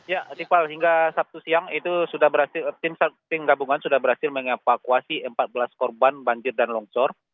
ya rival hingga sabtu siang itu sudah berhasil tim gabungan sudah berhasil mengevakuasi empat belas korban banjir dan longsor